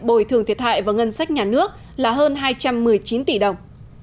bồi thường thiệt hại vào ngân sách nhà nước là hơn hai trăm một mươi chín tỷ đồng